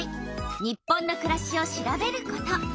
「日本のくらし」を調べること。